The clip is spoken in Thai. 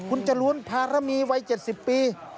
คุณจรูนภารมีวัย๗๐ปี